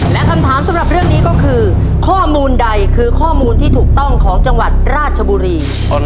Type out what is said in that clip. และคำถามสำหรับเรื่องนี้ก็คือข้อมูลใดคือข้อมูลที่ถูกต้องของจังหวัดราชบุรี